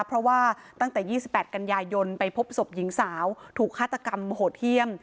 เพราะว่าตั้งแต่๒๘กันยายนไปพบศพหญิงสาวถูกฆาตกรรมโหดเยี่ยม